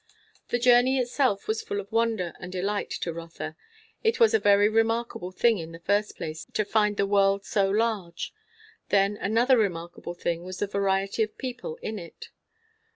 The journey itself was full of wonder and delight to Rotha. It was a very remarkable thing, in the first place, to find the world so large; then another remarkable thing was the variety of the people in it.